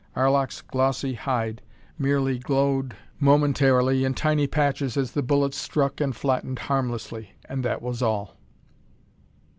Arlok's glossy hide merely, glowed momentarily in tiny patches as the bullets struck and flattened harmlessly and that was all.